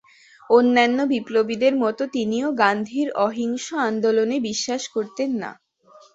অন্যান্য বিপ্লবীদের মত তিনিও গান্ধীর অহিংস আন্দোলনে বিশ্বাস করতেন না।